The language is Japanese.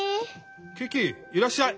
キキいらっしゃい。